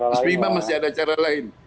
mas fiba masih ada cara lain